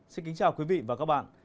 xin kính chào quý vị và các bạn